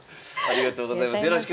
ありがとうございます。